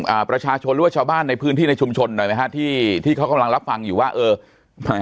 อ่าประชาชนหรือว่าชาวบ้านในพื้นที่ในชุมชนหน่อยไหมฮะที่ที่เขากำลังรับฟังอยู่ว่าเอออ่า